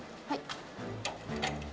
はい。